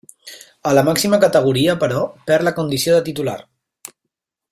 A la màxima categoria, però, perd la condició de titular.